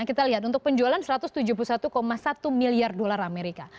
kita lihat untuk penjualan satu ratus tujuh puluh satu satu miliar dolar amerika